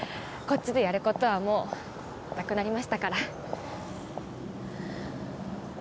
こっちでやることはもうなくなりましたから。